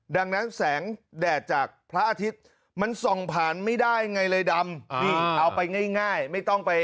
ดังนั้นแสงแดดจากพระอาทิตย์มันส่องผ่านไม่ได้ไงเลยดำนี่เอาไปง่ายไม่ต้องไป